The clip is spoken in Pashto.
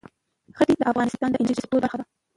ښتې د افغانستان د انرژۍ سکتور برخه ده.